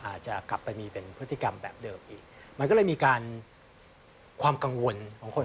อาจจะกลับไปมีเป็นพฤติกรรมแบบเดิมอีกมันก็เลยมีการความกังวลของคน